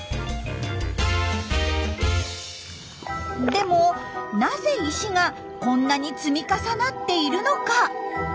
でもなぜ石がこんなに積み重なっているのか？